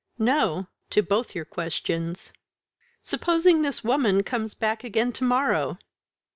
"No to both your questions." "Supposing this woman comes back again to morrow?"